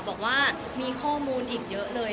บอกว่ามีข้อมูลอีกเยอะเลย